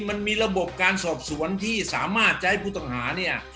มันมีระบบการสอบสวนที่สามารถจะให้ผู้ต้องหาเนี่ย